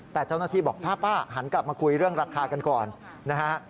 แต่เจ้าหน้าที่บอกป้าหันกลับมาคุยเรื่องราคากันก่อนนะฮะ